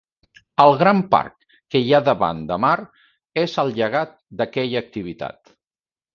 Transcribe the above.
El gran parc que hi ha davant de mar és el llegat d'aquella activitat.